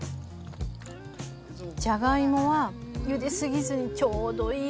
ジャガイモはゆですぎずにちょうどいい。